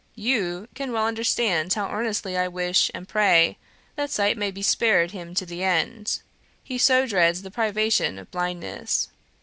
YOU can well understand how earnestly I wish and pray that sight may be spared him to the end; he so dreads the privation of blindness.